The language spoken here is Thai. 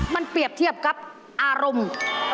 มันเปรียบเทียบกับอารมณ์